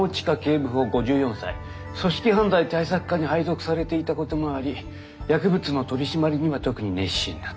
組織犯罪対策課に配属されていたこともあり薬物の取締りには特に熱心だった。